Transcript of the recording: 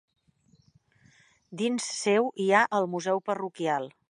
Dins seu hi ha el museu parroquial.